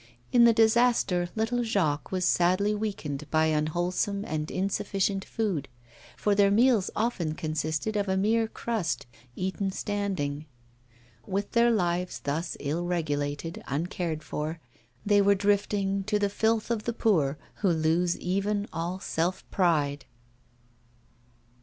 In the disaster little Jacques was sadly weakened by unwholesome and insufficient food, for their meals often consisted of a mere crust, eaten standing. With their lives thus ill regulated, uncared for, they were drifting to the filth of the poor who lose even all self pride.